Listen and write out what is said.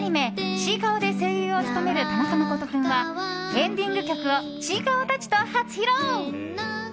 「ちいかわ」で声優を務める田中誠人君はエンディング曲をちいかわたちと初披露。